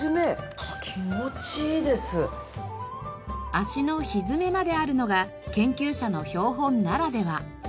足のひづめまであるのが研究者の標本ならでは。